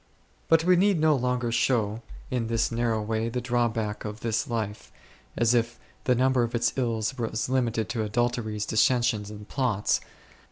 But we need no longer show in this narrow way the drawback of this life, as if the number of its ills was limited to adulteries, dissensions, and plots.